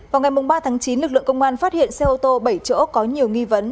vào ngày ba tháng chín lực lượng công an phát hiện xe ô tô bảy chỗ có nhiều nghi vấn